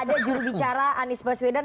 ada jurubicara anies baswedan